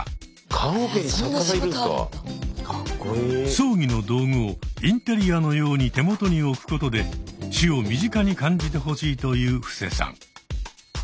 葬儀の道具をインテリアのように手元に置くことで死を身近に感じてほしいという布施さん。